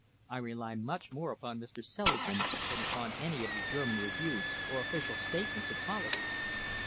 I rely much more upon Mr. Selingman than upon any of the German reviews or official statements of policy."